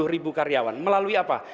lima puluh ribu karyawan melalui apa